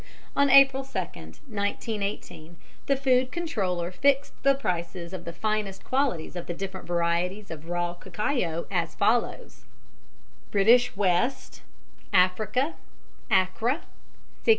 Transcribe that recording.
On April 2nd, 1918, the Food Controller fixed the prices of the finest qualities of the different varieties of raw cacao as follows: British West Africa (Accra) 65s.